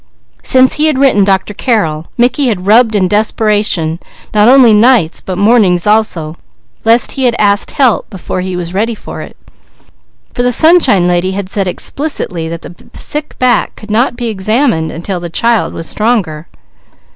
Since he had written Dr. Carrel, Mickey had rubbed in desperation, not only nights but mornings also, lest he had asked help before he was ready for it; for the Sunshine Lady had said explicitly that the sick back could not be operated until the child was stronger.